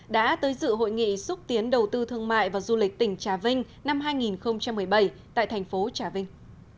đã tới dự hội nghị xúc tiến đầu tư thương mại và du lịch tỉnh trà vinh năm hai nghìn một mươi bảy tại thành phố trà vinh